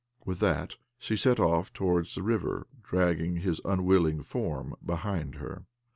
With that she set off towards the river, dragging his unwilling form behind her.